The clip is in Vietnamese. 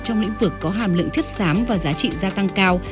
trong lĩnh vực có hàm lượng chất xám và giá trị gia tăng cao